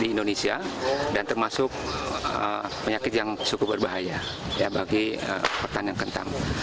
di indonesia dan termasuk penyakit yang cukup berbahaya bagi pertanian kentang